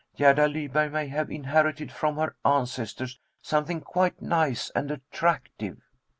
Gerda Lyberg may have inherited from her ancestors something quite nice and attractive."